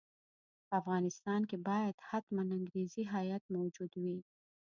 په افغانستان کې باید حتماً انګریزي هیات موجود وي.